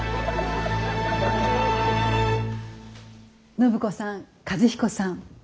暢子さん和彦さん